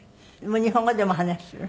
日本語でも話する？